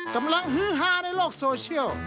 กำลังฮือฮาในโลกโซเชียล